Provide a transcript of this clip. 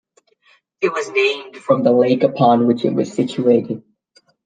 It was named from the lake upon which it was situated.